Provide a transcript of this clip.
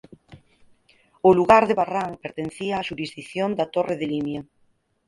O lugar de Barrán pertencía á xurisdición da Torre de Limia.